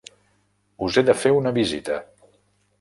Us he de fer una visita.